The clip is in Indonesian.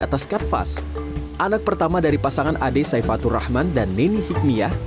atas kanvas anak pertama dari pasangan adik saifatul rahman dan neni hikmiah